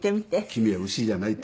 君は牛じゃないと。